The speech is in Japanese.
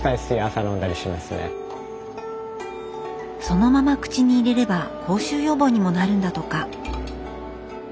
そのまま口に入れれば口臭予防にもなるんだとか。